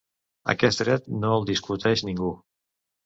Aquest dret no el discuteix ningú.